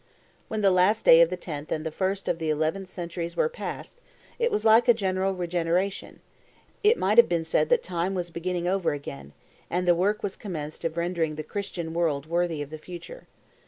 When the last day of the tenth and the first of the eleventh centuries were past, it was like a general regeneration; it might have been said that time was beginning over again; and the work was commenced of rendering the Christian world worthy of the future.